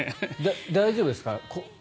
大丈夫ですか？